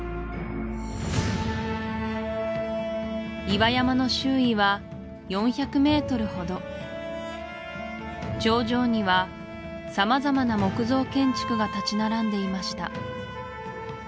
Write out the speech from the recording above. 岩山の周囲は４００メートルほど頂上には様々な木造建築が立ち並んでいました